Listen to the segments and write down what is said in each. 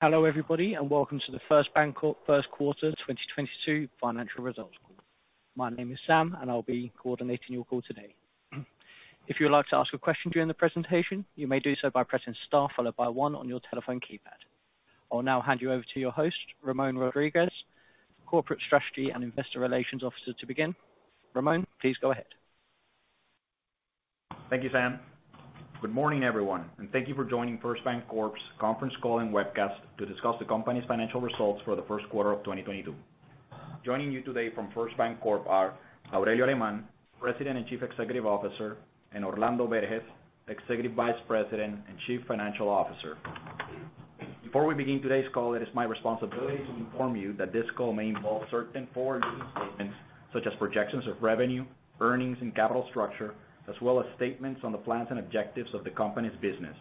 Hello everybody and welcome to the First BanCorp first quarter 2022 financial results call. My name is Sam and I'll be coordinating your call today. If you would like to ask a question during the presentation, you may do so by pressing star followed by one on your telephone keypad. I'll now hand you over to your host, Ramon Rodriguez, Corporate Strategy and Investor Relations Officer to begin. Ramon, please go ahead. Thank you, Sam. Good morning, everyone, and thank you for joining First BanCorp's conference call and webcast to discuss the company's financial results for the first quarter of 2022. Joining you today from First BanCorp are Aurelio Alemán, President and Chief Executive Officer, and Orlando Berges, Executive Vice President and Chief Financial Officer. Before we begin today's call, it is my responsibility to inform you that this call may involve certain forward-looking statements, such as projections of revenue, earnings and capital structure, as well as statements on the plans and objectives of the company's business.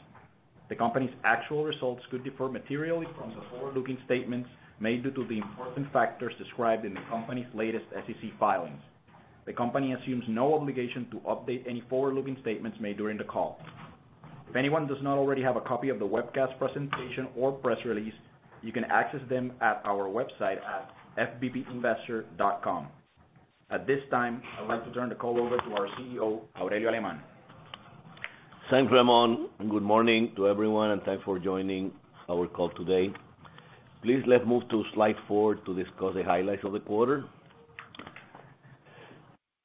The company's actual results could differ materially from the forward-looking statements made due to the important factors described in the company's latest SEC filings. The company assumes no obligation to update any forward-looking statements made during the call. If anyone does not already have a copy of the webcast presentation or press release, you can access them at our website at fbpinvestor.com. At this time, I'd like to turn the call over to our CEO, Aurelio Alemán. Thanks, Ramon, and good morning to everyone and thanks for joining our call today. Please let's move to slide four to discuss the highlights of the quarter.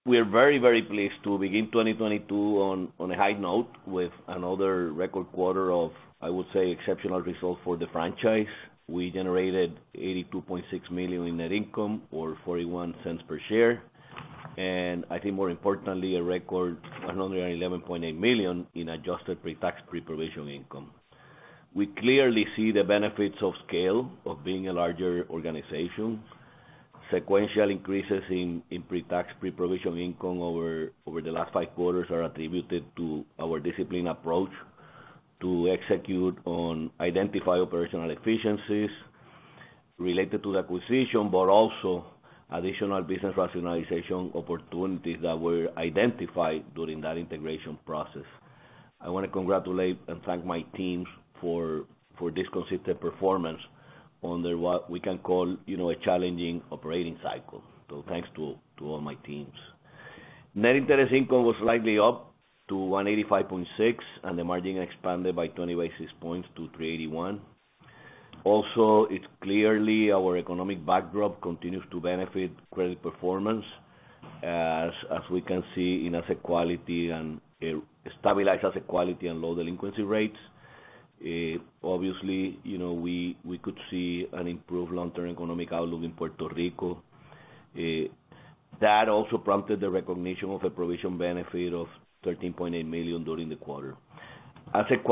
We are very, very pleased to begin 2022 on a high note with another record quarter of, I would say, exceptional results for the franchise. We generated $82.6 million in net income or $0.41 per share. I think more importantly, a record $111.8 million in adjusted pre-tax pre-provision income. We clearly see the benefits of scale of being a larger organization. Sequential increases in pre-tax pre-provision income over the last five quarters are attributed to our disciplined approach to execute and identify operational efficiencies related to the acquisition, but also additional business rationalization opportunities that were identified during that integration process. I wanna congratulate and thank my teams for this consistent performance under what we can call, you know, a challenging operating cycle. Thanks to all my teams. Net interest income was slightly up to $185.6 million, and the margin expanded by 20 basis points to 3.81%. Also it's clearly our economic backdrop continues to benefit credit performance as we can see in asset quality and stabilized asset quality and low delinquency rates. Obviously, you know, we could see an improved long-term economic outlook in Puerto Rico. That also prompted the recognition of a provision benefit of $13.8 million during the quarter. Asset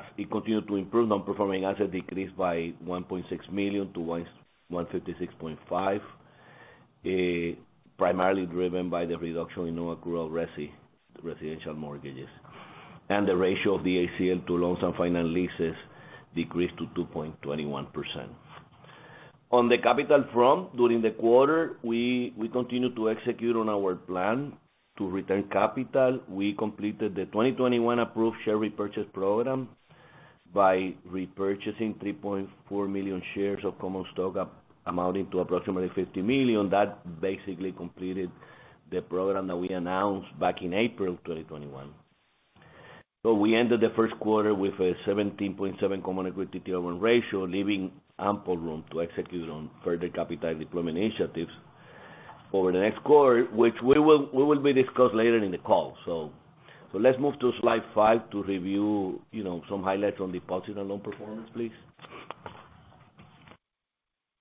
quality as it continued to improve, non-performing assets decreased by $1.6 million to $156.5 million, primarily driven by the reduction in non-accrual residential mortgages. The ratio of the ACL to loans and finance leases decreased to 2.21%. On the capital front, during the quarter, we continued to execute on our plan to return capital. We completed the 2021 approved share repurchase program by repurchasing 3.4 million shares of common stock, amounting to approximately $50 million. That basically completed the program that we announced back in April 2021. We ended the first quarter with a 17.7 common equity Tier 1 ratio, leaving ample room to execute on further capital deployment initiatives over the next quarter, which we will be discussed later in the call. Let's move to slide five to review, you know, some highlights on deposit and loan performance, please.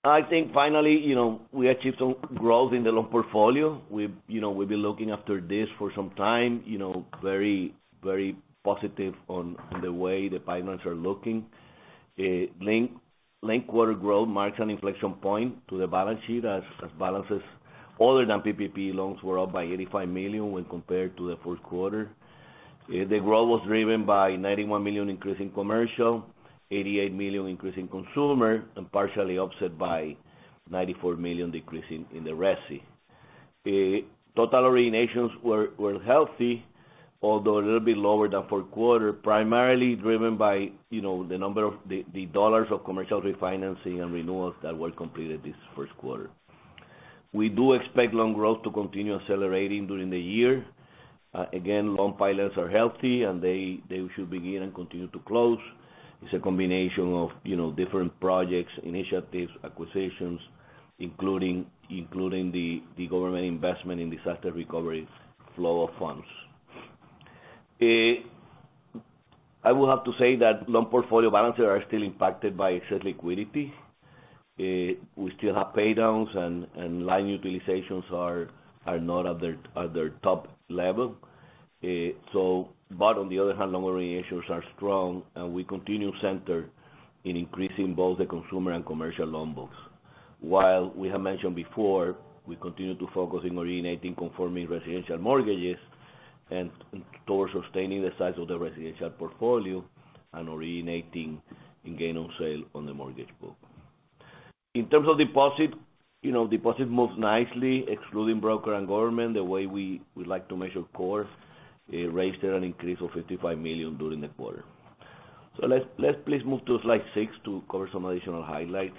I think finally, you know, we achieved some growth in the loan portfolio. We've, you know, been looking after this for some time, you know, very, very positive on the way the pipelines are looking. Linked quarter growth marks an inflection point to the balance sheet as balances other than PPP loans were up by $85 million when compared to the fourth quarter. The growth was driven by $91 million increase in commercial, $88 million increase in consumer, and partially offset by $94 million decrease in the resi. Total originations were healthy, although a little bit lower than fourth quarter, primarily driven by, you know, the dollars of commercial refinancing and renewals that were completed this first quarter. We do expect loan growth to continue accelerating during the year. Again, loan pipelines are healthy, and they should begin and continue to close. It's a combination of, you know, different projects, initiatives, acquisitions, including the government investment in disaster recovery flow of funds. I will have to say that loan portfolio balances are still impacted by excess liquidity. We still have pay downs and line utilizations are not at their top level. But on the other hand, loan originations are strong, and we continue centered on increasing both the consumer and commercial loan books. While we have mentioned before, we continue to focus on originating conforming residential mortgages and towards sustaining the size of the residential portfolio and originating gain on sale on the mortgage book. In terms of deposit, you know, deposit moves nicely excluding broker and government, the way we like to measure core, it raised an increase of $55 million during the quarter. So Let's please move to slide six to cover some additional highlights.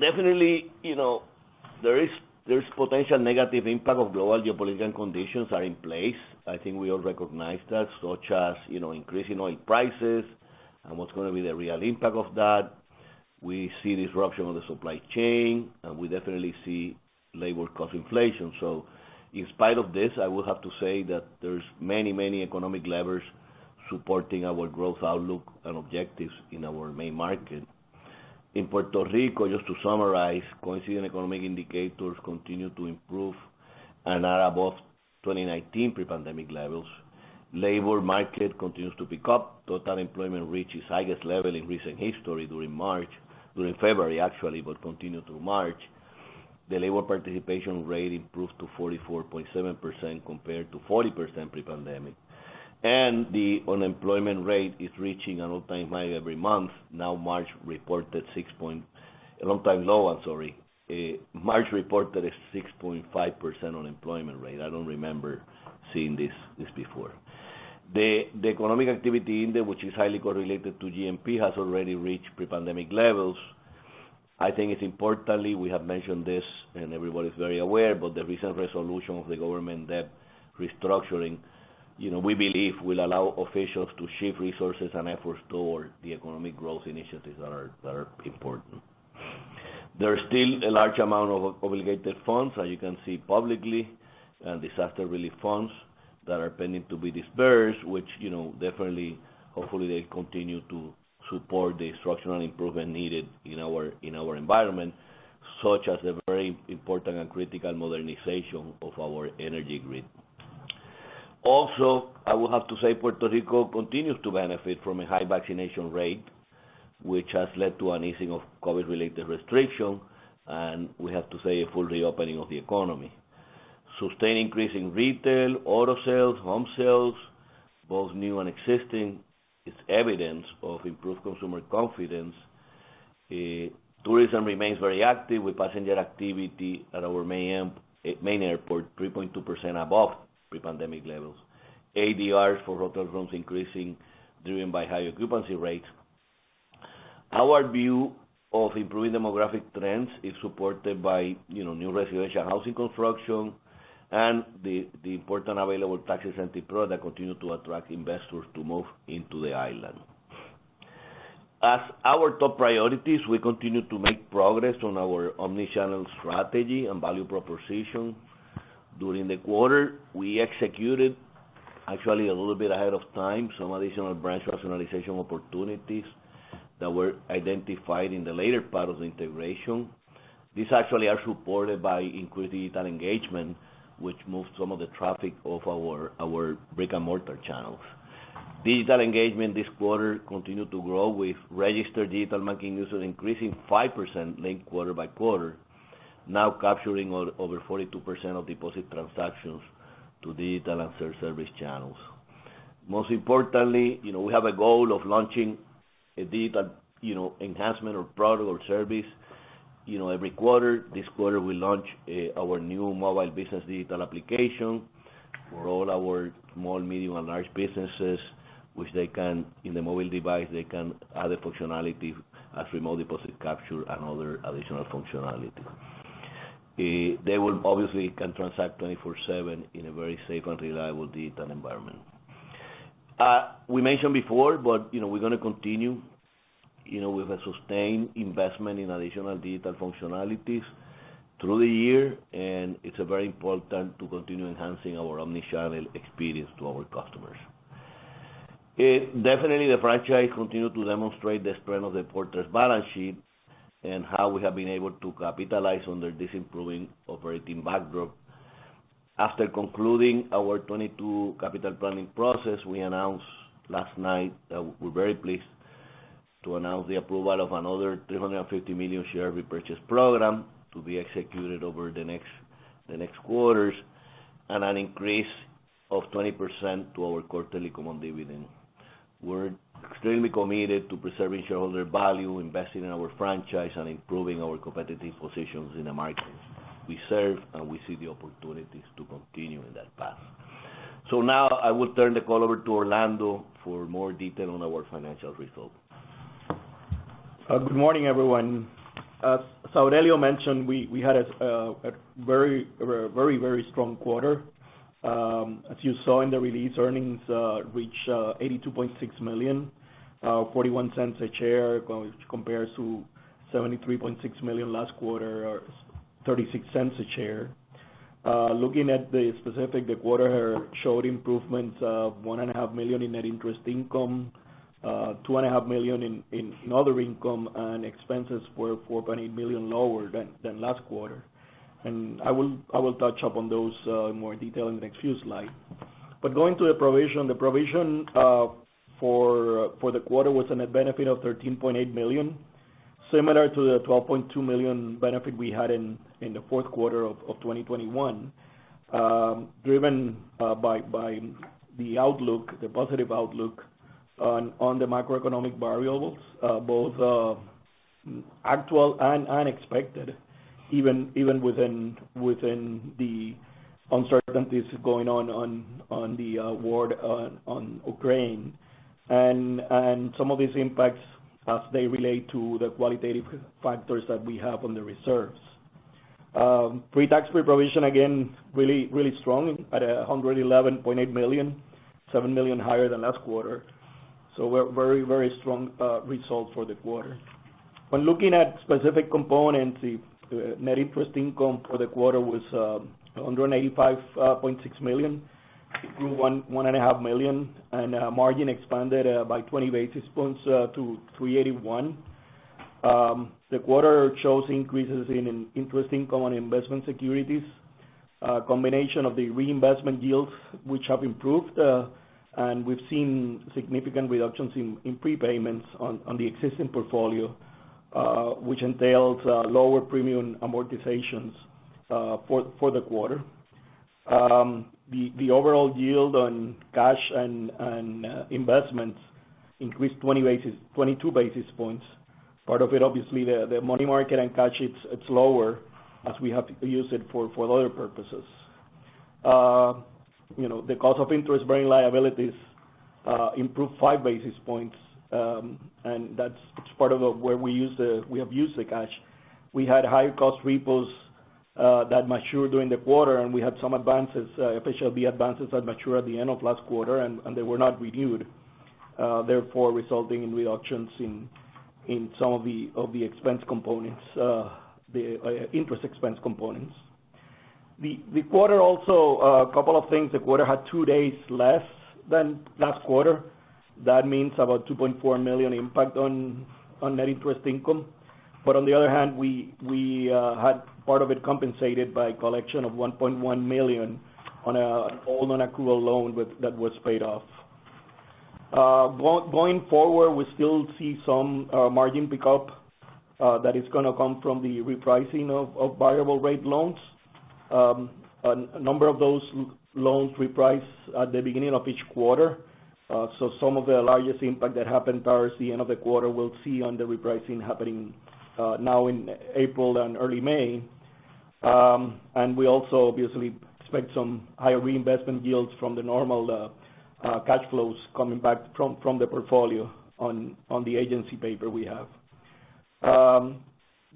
Definitely, you know, there is potential negative impact of global geopolitical conditions are in place. I think we all recognize that, such as, you know, increasing oil prices and what's gonna be the real impact of that. We see disruption of the supply chain, and we definitely see labor cost inflation. In spite of this, I will have to say that there's many economic levers supporting our growth outlook and objectives in our main market. In Puerto Rico, just to summarize, coincident economic indicators continue to improve and are above 2019 pre-pandemic levels. Labor market continues to pick up. Total employment reached its highest level in recent history during March through February, actually, but continued through March. The labor participation rate improved to 44.7% compared to 40% pre-pandemic. The unemployment rate is reaching an all-time high every month. March reported a long time low, I'm sorry. March reported a 6.5% unemployment rate. I don't remember seeing this before. The economic activity in there, which is highly correlated to GMP, has already reached pre-pandemic levels. I think, importantly, we have mentioned this, and everybody's very aware, but the recent resolution of the government debt restructuring, you know, we believe will allow officials to shift resources and efforts towards the economic growth initiatives that are important. There are still a large amount of obligated funds, as you can see publicly, and disaster relief funds that are pending to be dispersed, which, you know, definitely, hopefully, they continue to support the structural improvement needed in our environment, such as the very important and critical modernization of our energy grid. Also, I will have to say Puerto Rico continues to benefit from a high vaccination rate, which has led to an easing of COVID-related restrictions, and we have to say a full reopening of the economy. Sustained increase in retail, auto sales, home sales, both new and existing, is evidence of improved consumer confidence. Tourism remains very active with passenger activity at our main airport 3.2% above pre-pandemic levels. ADR for hotel rooms increasing, driven by higher occupancy rates. Our view of improving demographic trends is supported by, you know, new residential housing construction and the important available tax incentive product that continue to attract investors to move into the island. As our top priorities, we continue to make progress on our omni-channel strategy and value proposition. During the quarter, we executed, actually a little bit ahead of time, some additional branch rationalization opportunities that were identified in the later part of the integration. These actually are supported by increased digital engagement, which moves some of the traffic off our brick-and-mortar channels. Digital engagement this quarter continued to grow with registered digital banking users increasing 5% linked quarter-by-quarter, now capturing over 42% of deposit transactions to digital and self-service channels. Most importantly, you know, we have a goal of launching a digital, you know, enhancement or product or service, you know, every quarter. This quarter we launched our new mobile business digital application for all our small, medium, and large businesses, which they can, in the mobile device, they can add a functionality as remote deposit capture and other additional functionality. They will obviously can transact 24/7 in a very safe and reliable digital environment. We mentioned before, but you know, we're gonna continue you know with a sustained investment in additional digital functionalities through the year, and it's a very important to continue enhancing our omni-channel experience to our customers. Definitely the franchise continued to demonstrate the strength of the quarter's balance sheet and how we have been able to capitalize under this improving operating backdrop. After concluding our 2022 capital planning process, we announced last night that we're very pleased to announce the approval of another $350 million share repurchase program to be executed over the next quarters at an increase of 20% to our quarterly common dividend. We're extremely committed to preserving shareholder value, investing in our franchise, and improving our competitive positions in the markets we serve, and we see the opportunities to continue in that path. Now I will turn the call over to Orlando for more detail on our financial results. Good morning, everyone. As Aurelio mentioned, we had a very strong quarter. As you saw in the release, earnings reached $82.6 million, $0.41 a share, which compares to $73.6 million last quarter, or $0.36 a share. Looking at the specifics, the quarter showed improvements of $1.5 million in net interest income, $2.5 million in other income, and expenses were $4.8 million lower than last quarter. I will touch on those in more detail in the next few slides. Going to the provision for the quarter was in a benefit of $13.8 million. Similar to the $12.2 million benefit we had in the fourth quarter of 2021, driven by the outlook, the positive outlook on the macroeconomic variables, both actual and unexpected, even within the uncertainties going on the war on Ukraine and some of these impacts as they relate to the qualitative factors that we have on the reserves. Pre-tax, pre-provision, again, really strong at $111.8 million, $7 million higher than last quarter. We're very strong result for the quarter. When looking at specific components, the net interest income for the quarter was $185.6 million. We grew $1.5 million, and margin expanded by 20 basis points to 3.81%. The quarter shows increases in interest income on investment securities, a combination of the reinvestment yields which have improved, and we've seen significant reductions in prepayments on the existing portfolio, which entailed lower premium amortizations for the quarter. The overall yield on cash and investments increased 22 basis points. Part of it, obviously the money market and cash, it's lower as we have to use it for other purposes. You know, the cost of interest-bearing liabilities improved 5 basis points, and that's part of where we used the cash. We had higher cost repos that matured during the quarter, and we had some advances, FHLB advances that matured at the end of last quarter and they were not renewed, therefore resulting in reductions in some of the expense components, the interest expense components. The quarter also, a couple of things. The quarter had two days less than last quarter. That means about $2.4 million impact on net interest income. On the other hand, we had part of it compensated by collection of $1.1 million on non-accrual loan that was paid off. Going forward, we still see some margin pickup that is gonna come from the repricing of variable rate loans. A number of those loans reprice at the beginning of each quarter. Some of the largest impact that happened towards the end of the quarter, we'll see on the repricing happening now in April and early May. And we also obviously expect some higher reinvestment yields from the normal cash flows coming back from the portfolio on the agency paper we have.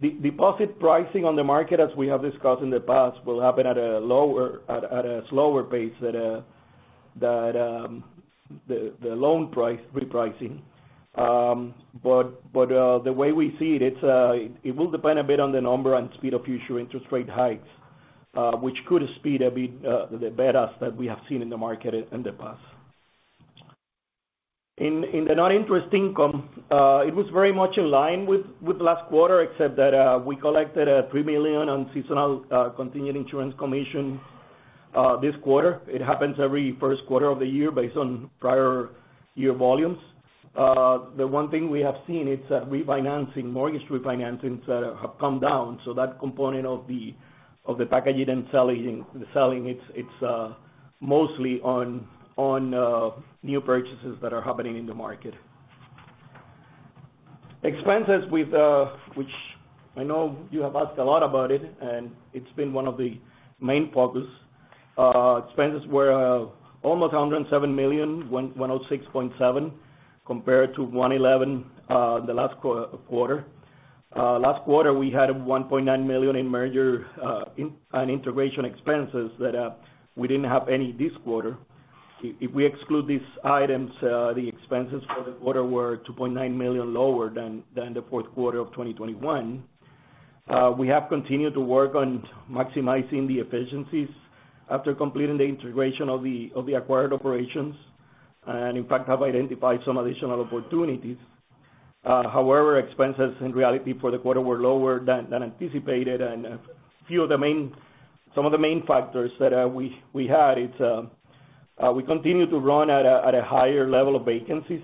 Deposit pricing on the market, as we have discussed in the past, will happen at a lower, at a slower pace than the loan price repricing. The way we see it will depend a bit on the number and speed of future interest rate hikes, which could speed a bit the betas that we have seen in the market in the past. In the non-interest income, it was very much in line with last quarter, except that we collected $3 million on seasonal continuing insurance commission this quarter. It happens every first quarter of the year based on prior year volumes. The one thing we have seen is that refinancing, mortgage refinancings have come down. That component of the package and selling, it's mostly on new purchases that are happening in the market. Expenses with which I know you have asked a lot about it, and it's been one of the main focus. Expenses were almost $107 million-$106.7 million, compared to $111 million last quarter. Last quarter, we had $1.9 million in merger and integration expenses that we didn't have any this quarter. If we exclude these items, the expenses for the quarter were $2.9 million lower than the fourth quarter of 2021. We have continued to work on maximizing the efficiencies after completing the integration of the acquired operations, and in fact, have identified some additional opportunities. However, expenses in reality for the quarter were lower than anticipated. Some of the main factors that we continue to run at a higher level of vacancies,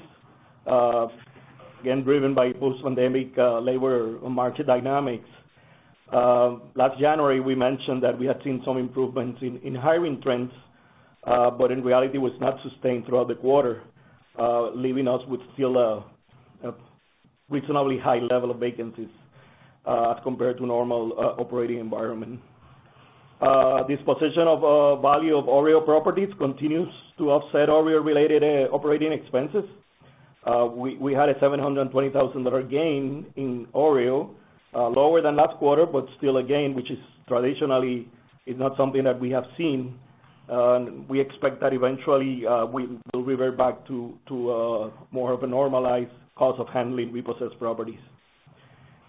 again, driven by post-pandemic labor market dynamics. Last January, we mentioned that we had seen some improvements in hiring trends, but in reality, it was not sustained throughout the quarter, leaving us with still a reasonably high level of vacancies, as compared to normal operating environment. Disposition of value of OREO properties continues to offset OREO-related operating expenses. We had a $720,000 gain in OREO, lower than last quarter, but still a gain, which traditionally is not something that we have seen. We expect that eventually we will revert back to more of a normalized cost of handling repossessed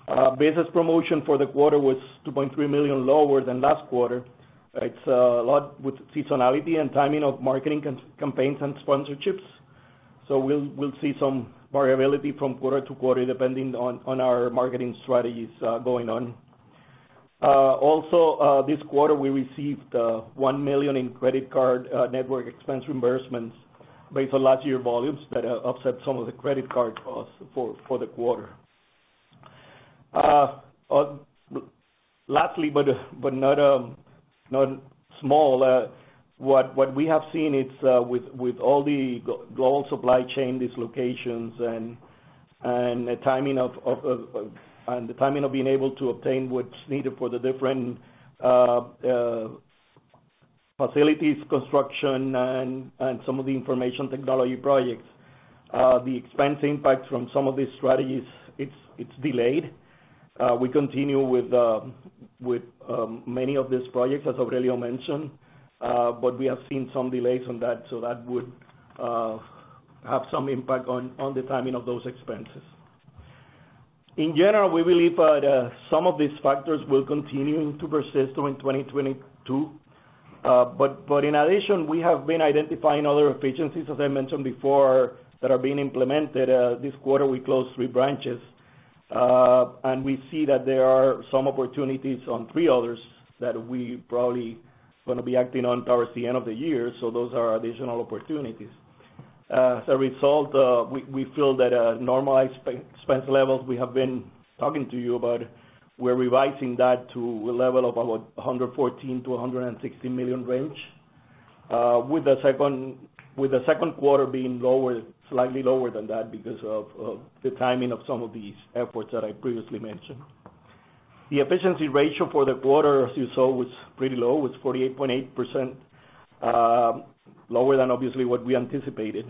properties. Business promotion for the quarter was $2.3 million lower than last quarter. It's a lot with seasonality and timing of marketing campaigns and sponsorships. We'll see some variability from quarter to quarter depending on our marketing strategies going on. Also, this quarter, we received $1 million in credit card network expense reimbursements based on last year volumes that offset some of the credit card costs for the quarter. Lastly, but not small, what we have seen, it's with all the global supply chain dislocations and the timing of. The timing of being able to obtain what's needed for the different facilities construction and some of the information technology projects, the expense impact from some of these strategies, it's delayed. We continue with many of these projects, as Aurelio mentioned, but we have seen some delays on that, so that would have some impact on the timing of those expenses. In general, we believe that some of these factors will continue to persist through 2022. In addition, we have been identifying other efficiencies, as I mentioned before, that are being implemented. This quarter, we closed three branches. We see that there are some opportunities on three others that we probably gonna be acting on towards the end of the year. Those are additional opportunities. As a result, we feel that normalized expense levels we have been talking to you about, we're revising that to a level of about $114 million-$160 million range, with the second quarter being lower, slightly lower than that because of the timing of some of these efforts that I previously mentioned. The efficiency ratio for the quarter, as you saw, was pretty low. It was 48.8%, lower than obviously what we anticipated.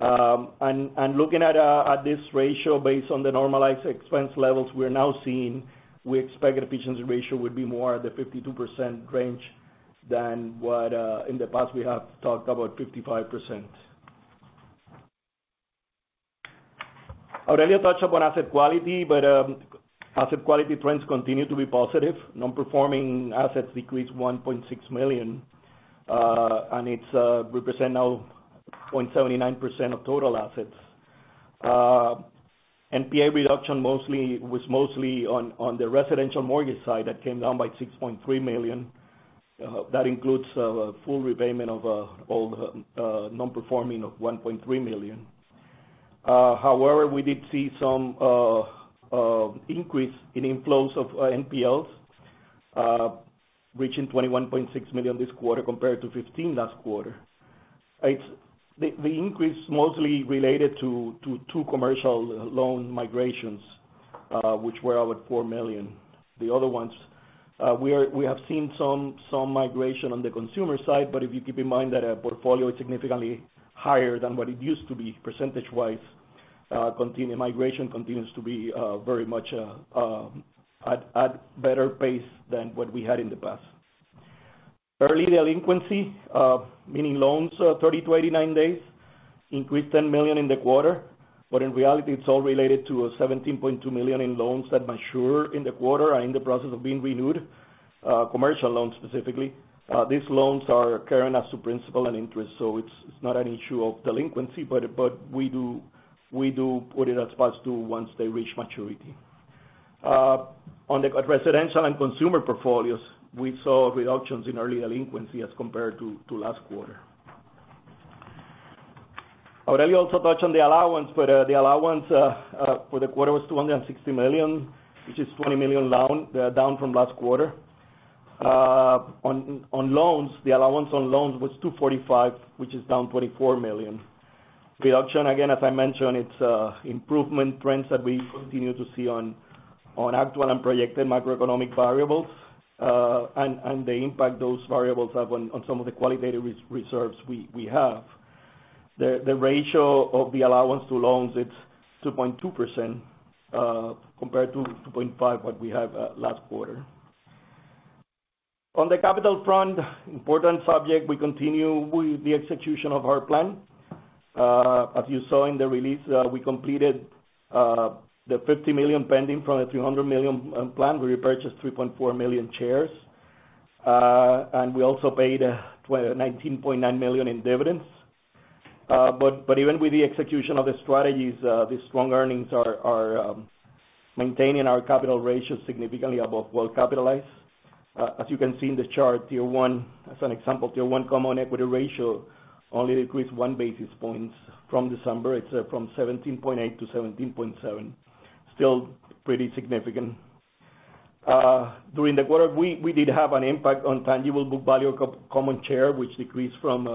And looking at this ratio based on the normalized expense levels we're now seeing, we expect the efficiency ratio would be more at the 52% range than what in the past we have talked about 55%. Aurelio touched upon asset quality, but asset quality trends continue to be positive. Non-performing assets decreased $1.6 million, and it represents now 0.79% of total assets. NPA reduction was mostly on the residential mortgage side. That came down by $6.3 million. That includes full repayment of old non-performing of $1.3 million. However, we did see some increase in inflows of NPLs reaching $21.6 million this quarter compared to $15 million last quarter. The increase mostly related to two commercial loan migrations, which were about $4 million. The other ones, we have seen some migration on the consumer side, but if you keep in mind that our portfolio is significantly higher than what it used to be percentage-wise, migration continues to be very much at better pace than what we had in the past. Early delinquency, meaning loans 30-89 days, increased $10 million in the quarter. In reality, it's all related to $17.2 million in loans that mature in the quarter, are in the process of being renewed, commercial loans specifically. These loans are current as to principal and interest, so it's not an issue of delinquency, but we do put it as past due once they reach maturity. On the residential and consumer portfolios, we saw reductions in early delinquency as compared to last quarter. Aurelio also touched on the allowance, but the allowance for the quarter was $260 million, which is $20 million down from last quarter. On loans, the allowance on loans was $245 million, which is down $24 million. Reduction, again, as I mentioned, it's improvement trends that we continue to see on actual and projected macroeconomic variables, and the impact those variables have on some of the qualitative reserves we have. The ratio of the allowance to loans, it's 2.2%, compared to 2.5% what we had last quarter. On the capital front, an important subject, we continue with the execution of our plan. As you saw in the release, we completed the $50 million pending from the $300 million plan. We repurchased 3.4 million shares. And we also paid $19.9 million in dividends. Even with the execution of the strategies, the strong earnings are maintaining our capital ratio significantly above well-capitalized. As you can see in the chart, Tier 1, as an example, Tier 1 common equity ratio only decreased 1 basis point from December. It's from 17.8% to 17.7%, still pretty significant. During the quarter, we did have an impact on tangible book value of common share, which decreased from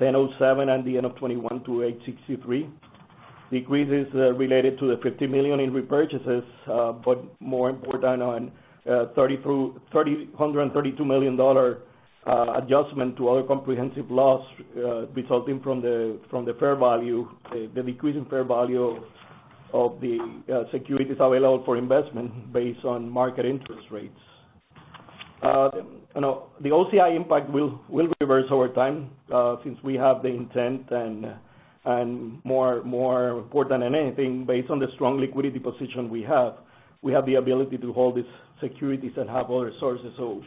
$10.07 at the end of 2021 to $8.63. decrease is related to the $50 million in repurchases, but more important, $30 million-$332 million adjustment to other comprehensive loss, resulting from the decrease in fair value of the available-for-sale securities based on market interest rates. You know, the OCI impact will reverse over time, since we have the intent and, more important than anything, based on the strong liquidity position we have, we have the ability to hold these securities to maturity. So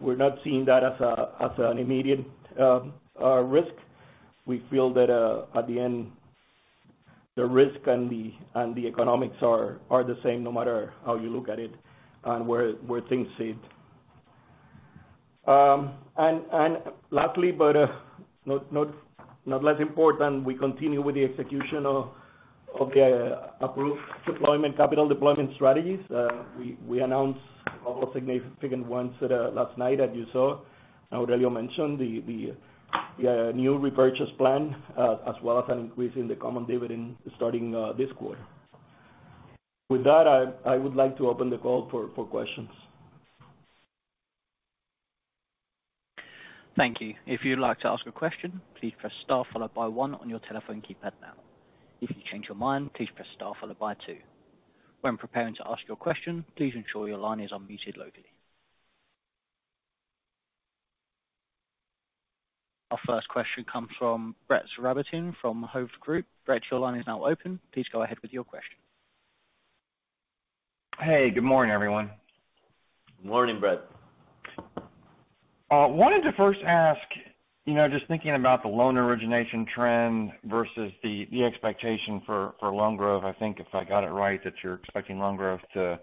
we're not seeing that as an immediate risk. We feel that at the end, the risk and the economics are the same no matter how you look at it and where things set. Lastly, but not less important, we continue with the execution of the approved deployment, capital deployment strategies. We announced a couple of significant ones at last night as you saw. Aurelio mentioned the new repurchase plan, as well as an increase in the common dividend starting this quarter. With that, I would like to open the call for questions. Thank you. If you'd like to ask a question, please press star followed by one on your telephone keypad now. If you change your mind, please press star followed by two. When preparing to ask your question, please ensure your line is unmuted locally. Our first question comes from Brett Rabatin from Hovde Group. Brett, your line is now open. Please go ahead with your question. Hey, good morning, everyone. Good morning, Brett. Wanted to first ask, you know, just thinking about the loan origination trend versus the expectation for loan growth. I think if I got it right, that you're expecting loan growth to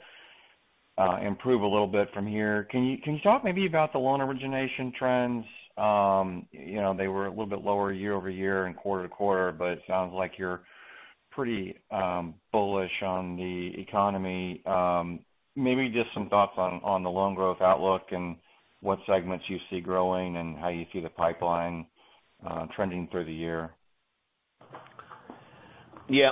improve a little bit from here. Can you talk maybe about the loan origination trends? You know, they were a little bit lower year-over-year and quarter-over-quarter, but it sounds like you're pretty bullish on the economy. Maybe just some thoughts on the loan growth outlook and what segments you see growing and how you see the pipeline trending through the year? Yeah.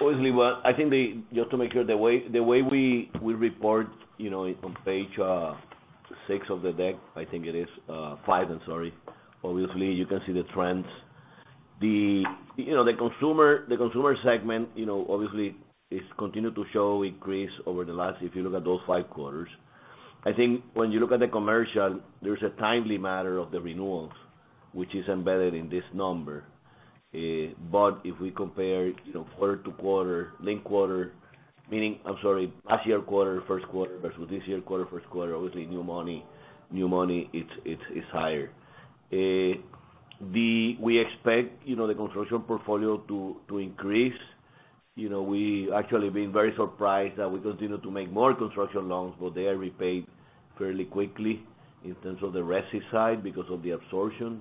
Obviously, I think just to make sure, the way we report, you know, on page 6 of the deck, I think it is 5, I'm sorry. Obviously, you can see the trends. The consumer segment, you know, obviously has continued to show increase over the last, if you look at those 5 quarters. I think when you look at the commercial, there's a timing matter of the renewals, which is embedded in this number. But if we compare, you know, quarter to quarter, linked quarter, last year quarter, first quarter versus this year quarter, first quarter, obviously new money is higher. We expect, you know, the construction portfolio to increase. You know, we actually been very surprised that we continue to make more construction loans, but they are repaid fairly quickly in terms of the resi side because of the absorption.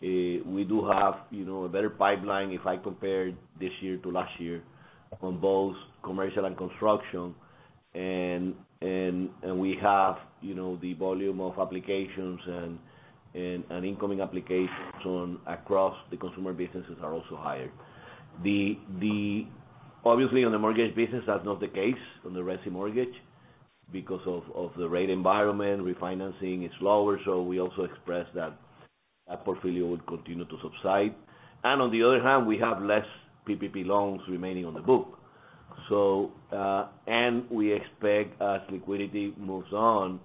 We do have, you know, a better pipeline if I compare this year to last year on both commercial and construction. And we have, you know, the volume of applications and incoming applications across the consumer businesses are also higher. Obviously on the mortgage business, that's not the case on the resi mortgage because of the rate environment, refinancing is lower, so we also expressed that that portfolio would continue to subside. On the other hand, we have less PPP loans remaining on the book. So and we expect as liquidity moves on,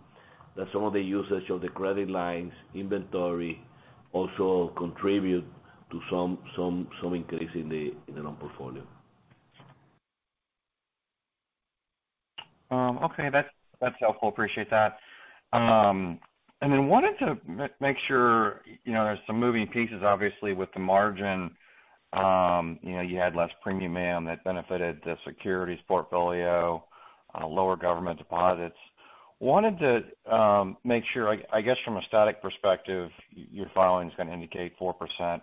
that some of the usage of the credit lines inventory also contribute to some increase in the loan portfolio. Okay. That's helpful. Appreciate that. And then wanted to make sure, you know, there's some moving pieces, obviously, with the margin. You know, you had less premium that benefited the securities portfolio on lower government deposits. Wanted to make sure, I guess from a static perspective, your filing is gonna indicate 4%,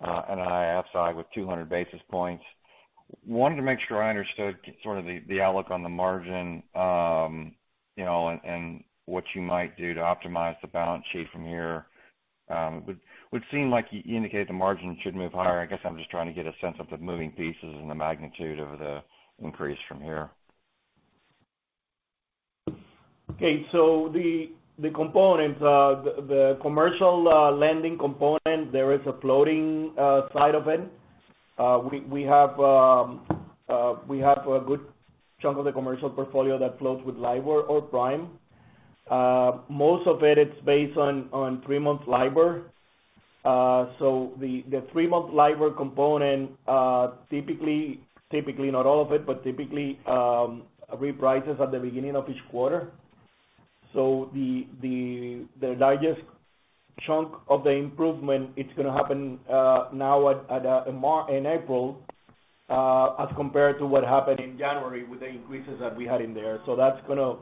in NII side with 200 basis points. Wanted to make sure I understood sort of the outlook on the margin, you know, and what you might do to optimize the balance sheet from here. Would seem like you indicate the margin should move higher. I guess I'm just trying to get a sense of the moving pieces and the magnitude of the increase from here. Okay. The component, the commercial lending component, there is a floating side of it. We have a good chunk of the commercial portfolio that floats with LIBOR or prime. Most of it's based on three-month LIBOR. The three-month LIBOR component, typically not all of it, but typically, reprices at the beginning of each quarter. The largest chunk of the improvement, it's gonna happen now in April, as compared to what happened in January with the increases that we had in there. That's gonna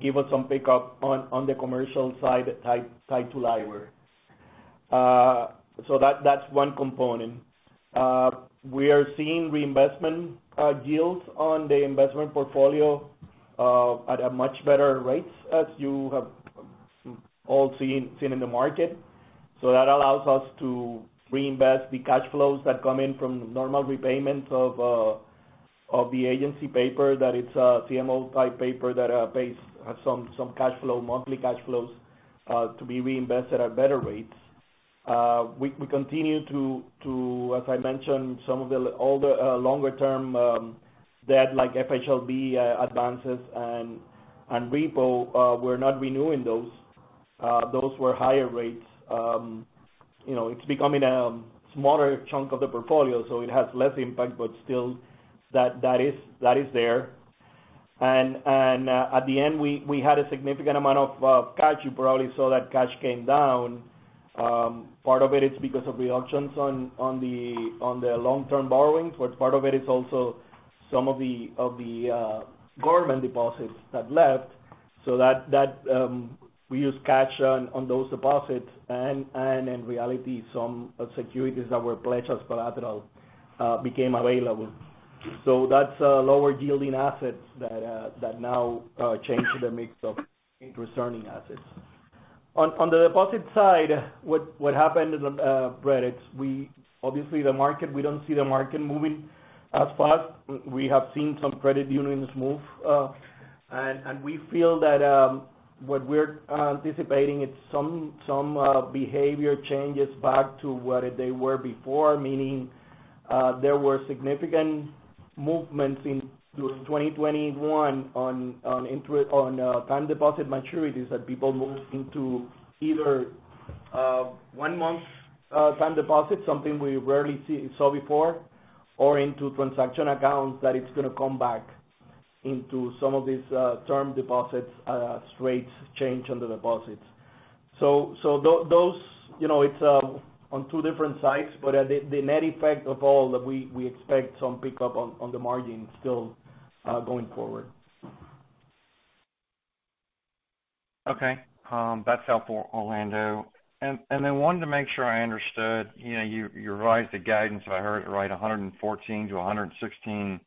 give us some pickup on the commercial side, tied to LIBOR, so that's one component. We are seeing reinvestment yields on the investment portfolio at a much better rates as you have all seen in the market. That allows us to reinvest the cash flows that come in from normal repayments of the agency paper that it's a CMO-type paper that pays some cash flow, monthly cash flows, to be reinvested at better rates. We continue to, as I mentioned, all the longer term debt like FHLB advances and repo we're not renewing those. Those were higher rates. You know, it's becoming a smaller chunk of the portfolio, so it has less impact, but still that is there. At the end, we had a significant amount of cash. You probably saw that cash came down. Part of it is because of the auctions on the long-term borrowings, but part of it is also some of the government deposits that left, so we use cash on those deposits. In reality, some securities that were pledged as collateral became available. That's lower-yielding assets that now change to the mix of interest-earning assets. On the deposit side, what happened, Brett, it's we obviously the market, we don't see the market moving as fast. We have seen some credit unions move, and we feel that what we're anticipating is some behavior changes back to what they were before. Meaning, there were significant movements in 2021 on time deposit maturities that people moved into either one month time deposit, something we rarely saw before, or into transaction accounts that it's gonna come back into some of these term deposits, rates change on the deposits. Those, you know, it's on two different sides, but the net effect of all that we expect some pickup on the margin still going forward. Okay. That's helpful, Orlando. Then wanted to make sure I understood. You know, you revised the guidance. I heard it right, $114 million-$116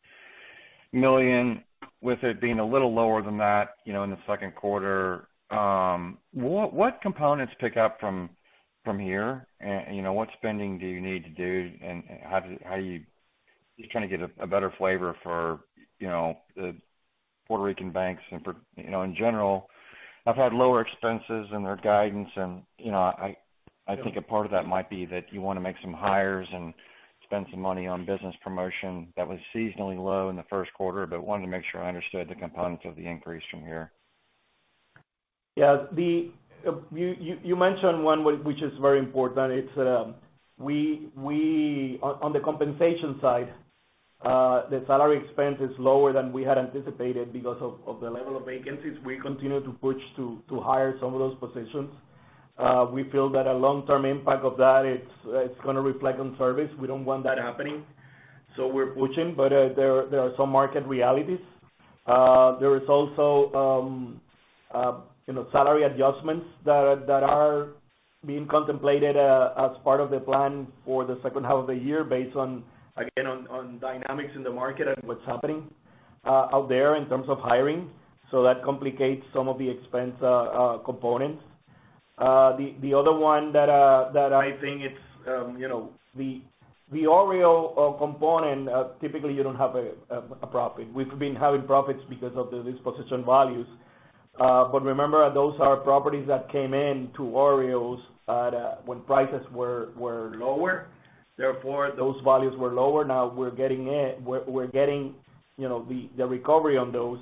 million, with it being a little lower than that, you know, in the second quarter. What components pick up from here? You know, what spending do you need to do. Just trying to get a better flavor for, you know, the Puerto Rican banks and for, you know, in general, have had lower expenses in their guidance. You know, I think a part of that might be that you wanna make some hires and spend some money on business promotion that was seasonally low in the first quarter, but wanted to make sure I understood the components of the increase from here. Yeah. You mentioned one which is very important. It's on the compensation side, the salary expense is lower than we had anticipated because of the level of vacancies. We continue to push to hire some of those positions. We feel that a long-term impact of that is gonna reflect on service. We don't want that happening. We're pushing. But there are some market realities. There is also, you know, salary adjustments that are being contemplated as part of the plan for the second half of the year based on, again, on dynamics in the market and what's happening out there in terms of hiring. So that complicates some of the expense components. The other one that I think it's, you know, the OREO component. Typically you don't have a profit. We've been having profits because of the disposition values. Remember, those are properties that came into OREOs at when prices were lower, therefore those values were lower. Now we're getting, you know, the recovery on those.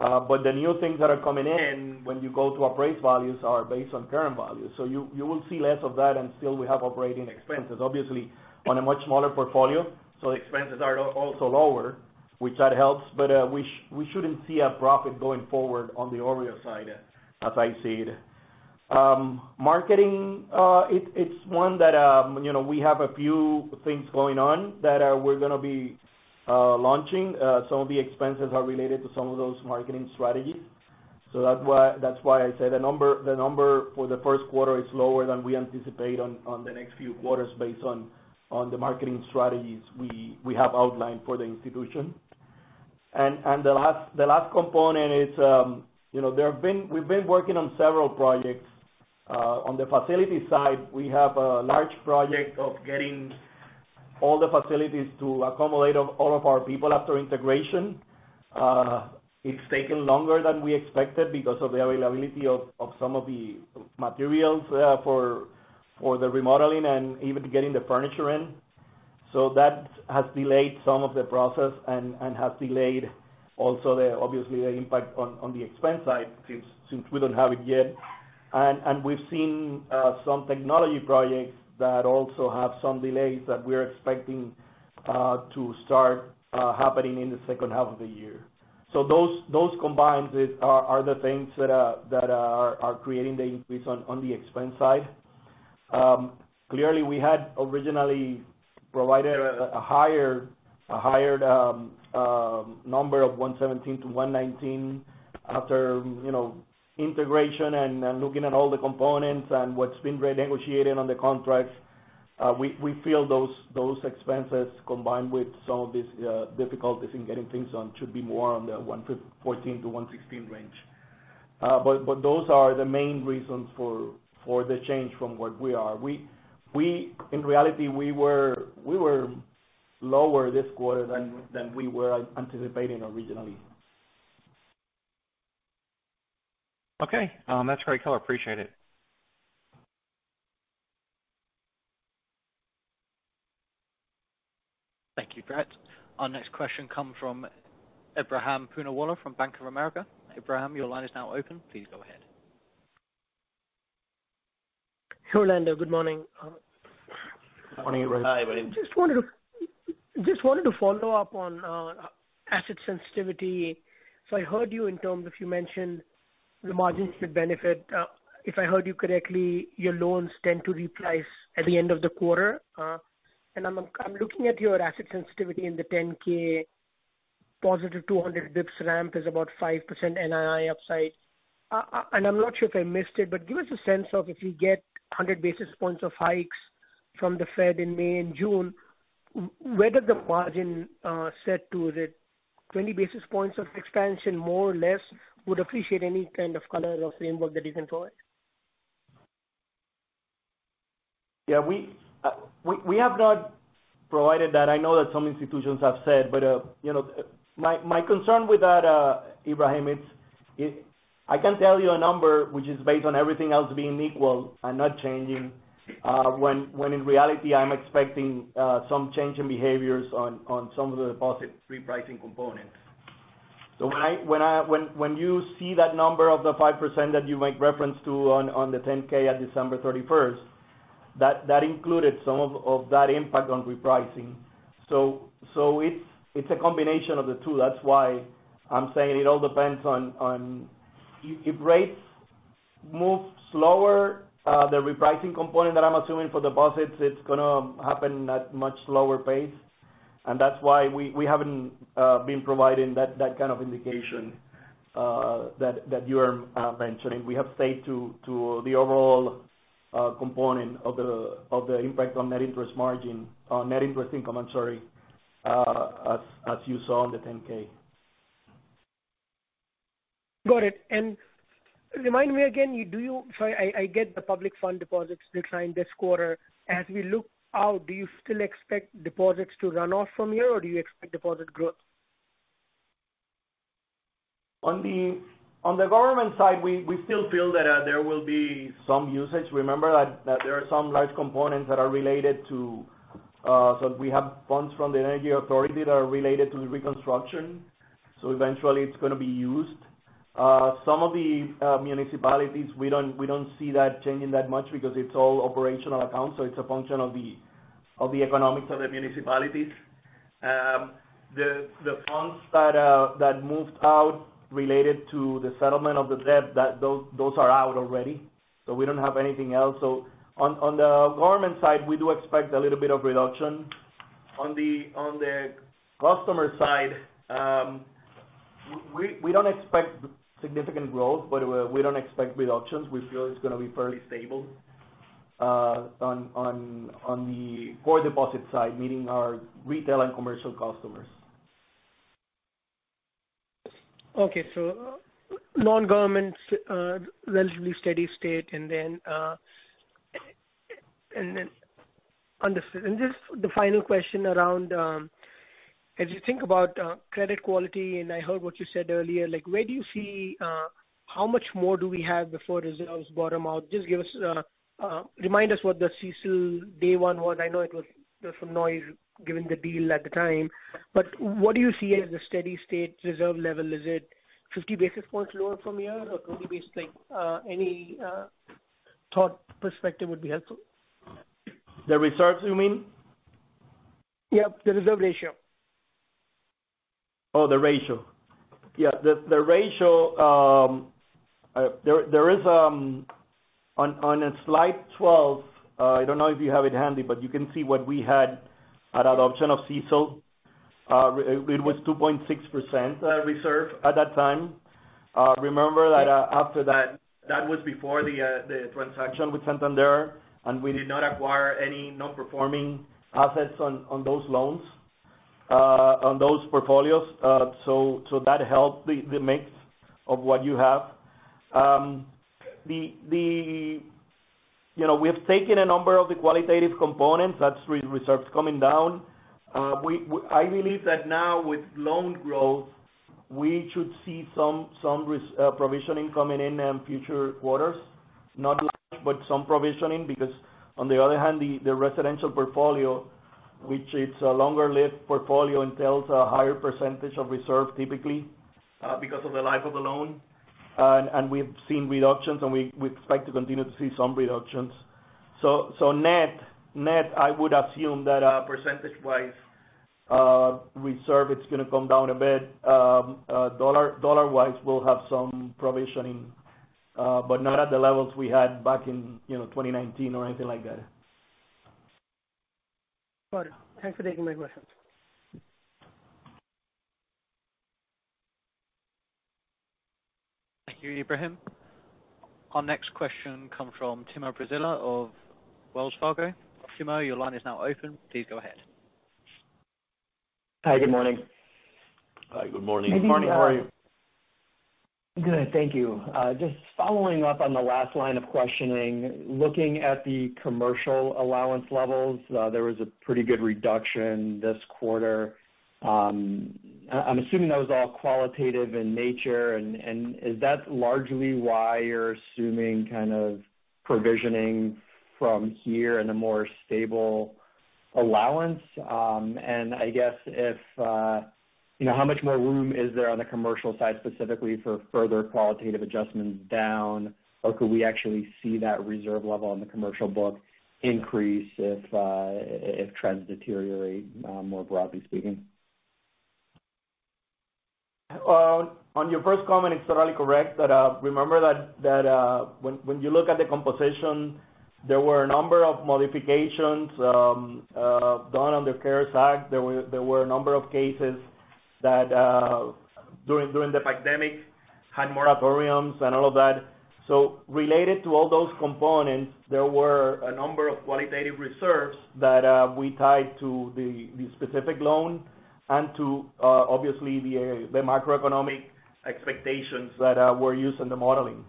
The new things that are coming in when you go to appraise values are based on current value. You will see less of that, and still we have operating expenses, obviously on a much smaller portfolio, so expenses are also lower, which helps. We shouldn't see a profit going forward on the OREO side, as I said. Marketing, it's one that you know, we have a few things going on that we're gonna be launching. Some of the expenses are related to some of those marketing strategies. That's why I say the number for the first quarter is lower than we anticipate on the next few quarters based on the marketing strategies we have outlined for the institution. The last component is, you know, we've been working on several projects. On the facility side, we have a large project of getting all the facilities to accommodate all of our people after integration. It's taken longer than we expected because of the availability of some of the materials for the remodeling and even getting the furniture in. That has delayed some of the process and has delayed also obviously the impact on the expense side since we don't have it yet. We've seen some technology projects that also have some delays that we're expecting to start happening in the second half of the year. Those combined are the things that are creating the increase on the expense side. Clearly, we had originally provided a higher number of $117-$119 after, you know, integration and looking at all the components and what's been renegotiated on the contracts. We feel those expenses, combined with some of these difficulties in getting things done should be more on the $114-$116 range. Those are the main reasons for the change from what we are. In reality, we were lower this quarter than we were anticipating originally. Okay. That's great color. Appreciate it. Thank you, Brett. Our next question comes from Ebrahim Poonawala from Bank of America. Ebrahim, your line is now open. Please go ahead. Hey Orlando, good morning. Good morning, Ebrahim. Just wanted to follow up on asset sensitivity. I heard you in terms of you mentioned the margins should benefit. If I heard you correctly, your loans tend to reprice at the end of the quarter. I'm looking at your asset sensitivity in the 10-K, positive 200 basis points ramp is about 5% NII upside. I'm not sure if I missed it, but give us a sense of if you get 100 basis points of hikes from the Fed in May and June, whether the margin set to the 20 basis points of expansion, more or less. Would appreciate any kind of color or framework that you can provide? Yeah, we have not provided that. I know that some institutions have said, but you know, my concern with that, Ebrahim, I can tell you a number which is based on everything else being equal and not changing, when in reality, I'm expecting some change in behaviors on some of the deposit repricing components. When you see that number of the 5% that you make reference to on the 10-K at December thirty-first, that included some of that impact on repricing. It's a combination of the two. That's why I'm saying it all depends on if rates move slower, the repricing component that I'm assuming for deposits, it's gonna happen at much slower pace. That's why we haven't been providing that kind of indication that you're mentioning. We have stuck to the overall component of the impact on net interest income, I'm sorry, as you saw on the 10-K. Got it. Remind me again, I get the public fund deposits decline this quarter. As we look out, do you still expect deposits to run off from here, or do you expect deposit growth? On the government side, we still feel that there will be some usage. Remember that there are some large components that are related to, so we have funds from the Energy Authority that are related to the reconstruction. Eventually it's gonna be used. Some of the municipalities, we don't see that changing that much because it's all operational accounts, so it's a function of the economics of the municipalities. The funds that moved out related to the settlement of the debt, those are out already. We don't have anything else. On the government side, we do expect a little bit of reduction. On the customer side, we don't expect significant growth, but we don't expect reductions. We feel it's gonna be fairly stable, on the core deposit side, meaning our retail and commercial customers. Okay. Non-government, relatively steady state and then. Understood. Just the final question around, as you think about, credit quality, and I heard what you said earlier, like, where do you see, how much more do we have before reserves bottom out? Just give us, remind us what the CECL day one was. I know it was, you know, some noise given the deal at the time. But what do you see as a steady-state reserve level? Is it 50 basis points lower from here or 20 basis points? Like, any thought perspective would be helpful. The reserves, you mean? Yep, the reserve ratio. The ratio. Yeah. The ratio, there is on slide 12, I don't know if you have it handy, but you can see what we had at adoption of CECL. It was 2.6% reserve at that time. Remember that, after that was before the transaction with Santander, and we did not acquire any non-performing assets on those loans, on those portfolios. So that helped the mix of what you have. You know, we have taken a number of the qualitative components. That's reserves coming down. I believe that now with loan growth, we should see some provisioning coming in in future quarters. Not much, but some provisioning. Because on the other hand, the residential portfolio, which it's a longer-lived portfolio, entails a higher percentage of reserve typically, because of the life of the loan. We've seen reductions, and we expect to continue to see some reductions. Net, I would assume that percentage-wise, reserve, it's gonna come down a bit. Dollar-wise, we'll have some provisioning, but not at the levels we had back in, you know, 2019 or anything like that. Got it. Thanks for taking my questions. Thank you, Ebrahim. Our next question comes from Timur Braziler of Wells Fargo. Timur, your line is now open. Please go ahead. Hi, good morning. Hi, good morning. Maybe. Good morning. How are you? Good, thank you. Just following up on the last line of questioning, looking at the commercial allowance levels, there was a pretty good reduction this quarter. I'm assuming that was all qualitative in nature. And is that largely why you're assuming kind of provisioning from here in a more stable allowance. And I guess, you know, how much more room is there on the commercial side, specifically for further qualitative adjustments down? Or could we actually see that reserve level on the commercial book increase if trends deteriorate more broadly speaking? Well, on your first comment, it's totally correct that, remember that, when you look at the composition, there were a number of modifications done on the CARES Act. There were a number of cases that during the pandemic had more arrears and all of that. Related to all those components, there were a number of qualitative reserves that we tied to the specific loan and to obviously the macroeconomic expectations that were used in the modeling.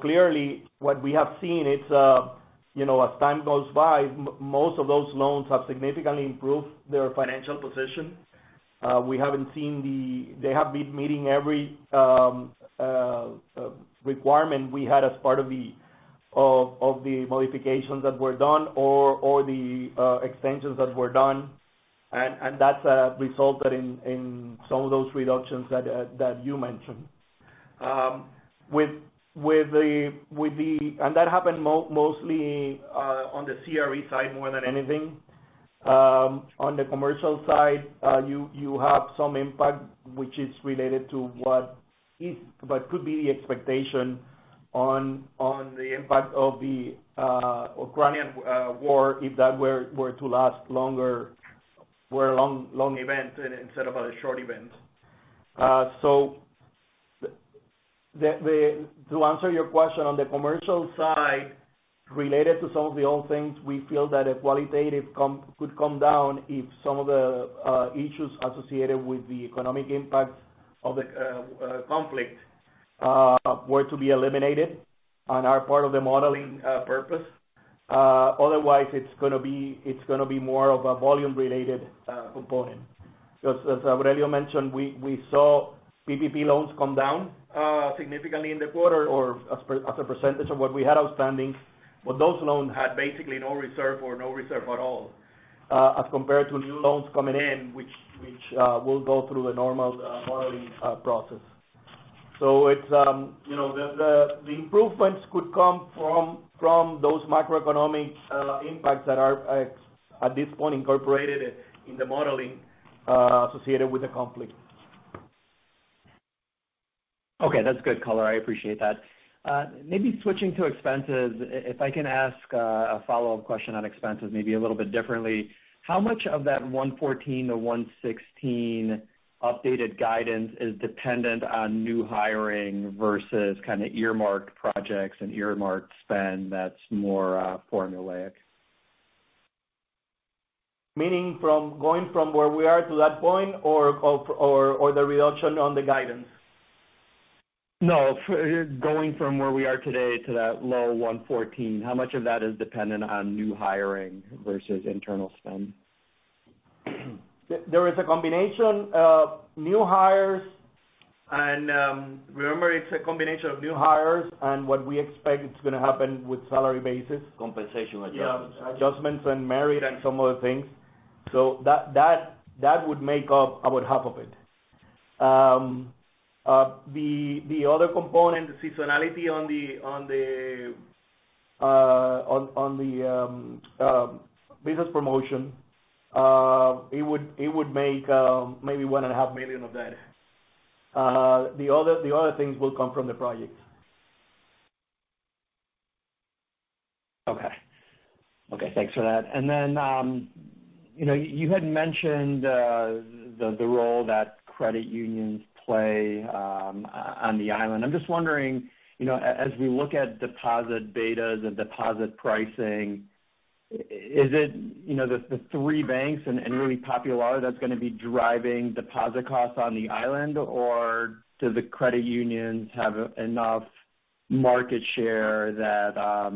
Clearly what we have seen is, you know, as time goes by, most of those loans have significantly improved their financial position. They have been meeting every requirement we had as part of the modifications that were done or the extensions that were done. That's resulted in some of those reductions that you mentioned. That happened mostly on the CRE side more than anything. On the commercial side, you have some impact which is related to what could be the expectation on the impact of the Ukrainian war, if that were to last longer, a long event instead of a short event. To answer your question on the commercial side, related to some of the old things, we feel that a qualitative component could come down if some of the issues associated with the economic impact of the conflict were to be eliminated in our modeling process. Otherwise, it's gonna be more of a volume related component. As Aurelio mentioned, we saw PPP loans come down significantly in the quarter or as a percentage of what we had outstanding. But those loans had basically no reserve at all as compared to new loans coming in which will go through the normal modeling process. It's you know the improvements could come from those macroeconomic impacts that are at this point incorporated in the modeling associated with the conflict. Okay. That's good color. I appreciate that. Maybe switching to expenses, if I can ask a follow-up question on expenses maybe a little bit differently. How much of that $114-$116 updated guidance is dependent on new hiring versus kind of earmarked projects and earmarked spend that's more formulaic? Meaning from going from where we are to that point or the reduction on the guidance? No, going from where we are today to that low 114, how much of that is dependent on new hiring versus internal spend? There is a combination of new hires and, remember it's a combination of new hires and what we expect is gonna happen with salary basis. Compensation adjustments. Yeah, adjustments and merit and some other things. That would make up about half of it. The other component, the seasonality on the business promotion, it would make maybe $1.5 million of that. The other things will come from the projects. Okay. Okay, thanks for that. You know, you had mentioned the role that credit unions play on the island. I'm just wondering, you know, as we look at deposit betas and deposit pricing, is it the three banks and really Popular that's gonna be driving deposit costs on the island? Or do the credit unions have enough market share that